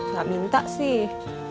gak minta sih